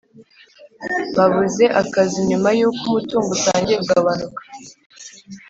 Babuze Akazi Nyuma Y Uko Umutungo Utangiye kugabanuka